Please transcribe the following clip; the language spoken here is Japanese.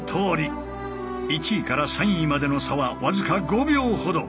１位から３位までの差は僅か５秒ほど。